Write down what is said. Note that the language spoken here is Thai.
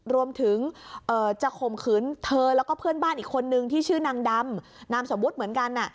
รวมถึงจะข่มขืนเธอแล้วก็เพื่อนบ้านอีกคนนึงที่ชื่อนางดำนามสมมุติเหมือนกัน